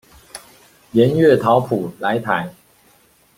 鹽月桃甫來台